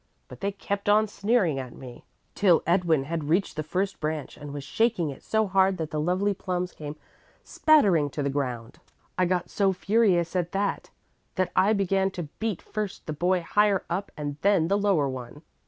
But they kept on sneering at me till Edwin had reached the first branch and was shaking it so hard that the lovely plums came spattering to the ground. I got so furious at that that I began to beat first the boy higher up and then the lower one.